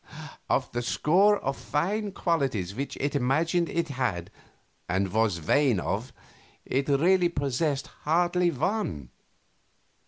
Of the score of fine qualities which it imagined it had and was vain of, it really possessed hardly one.